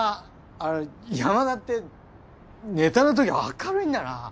あっ山田ってネタのとき明るいんだな。